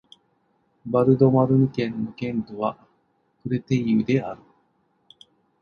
ヴァル＝ド＝マルヌ県の県都はクレテイユである